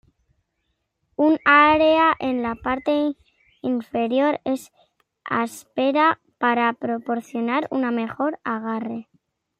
Un área en la parte inferior es áspera para proporcionar un mejor agarre.